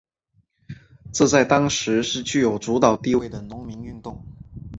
这在当时是具有主导地位的农民运动。